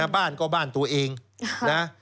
บ้านก็บ้านตัวเองนะ